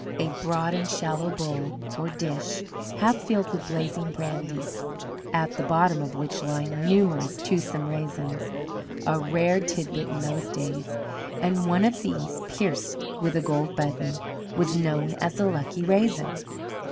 A broad and shallow bowl or dish half filled with blazing brandy, at the bottom of which lay numerous toothsome raisins a rare tidbit in those days and one of these, pierced with a gold button, was known as the "lucky raisin."